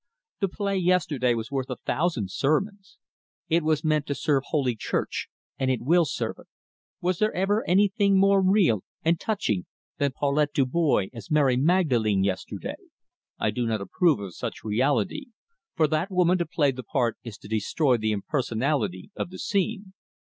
The play yesterday was worth a thousand sermons. It was meant to serve Holy Church, and it will serve it. Was there ever anything more real and touching than Paulette Dubois as Mary Magdalene yesterday?" "I do not approve of such reality. For that woman to play the part is to destroy the impersonality of the scene."